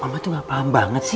mah mama tuh gak paham banget sih